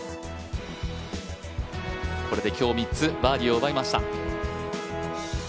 これで今日３つバーディーを奪いました。